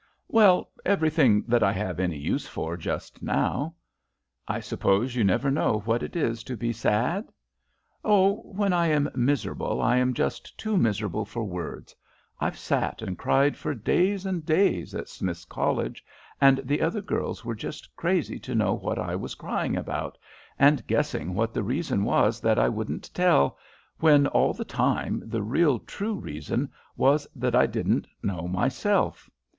"Well, everything that I have any use for just now." "I suppose you never know what it is to be sad?" "Oh, when I am miserable I am just too miserable for words. I've sat and cried for days and days at Smith's College, and the other girls were just crazy to know what I was crying about, and guessing what the reason was that I wouldn't tell, when all the time the real true reason was that I didn't know myself.